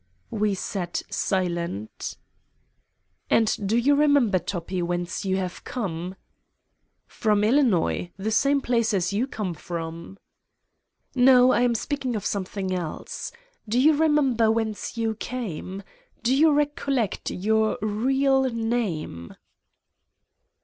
We sat silent. "And do you remember, Toppi, whence you have come?" "From Illinois, the same place you come from." "No, I am speaking of something else. Do you 100 Satan's Diary remember whence you came? Do you recollect your real Name!"